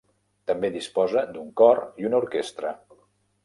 També disposa d'un cor i una orquestra.